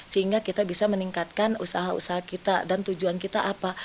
sehingga kita bisa meningkatkan usaha usaha kita dan tujuan kita apa